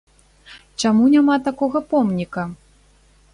Чаму няма такога помніка?